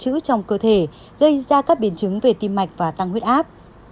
chữ trong cơ thể gây ra các biến chứng về tim mạch và tăng huyết áp